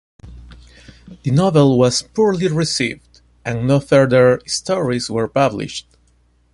The novel was poorly received, and no further stories were published.